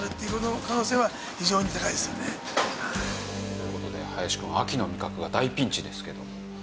という事で林くん秋の味覚が大ピンチですけど。